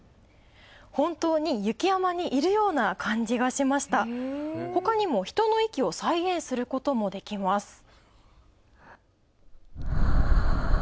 本当に雪山にいるような感じがしましたほかにも人の息を再現することもできます。